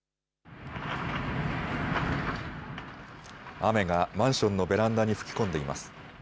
雨がマンションのベランダに吹き込んでいます。